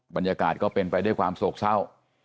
บรรยากาศก็เป็นไปด้วยความโศกเศร้า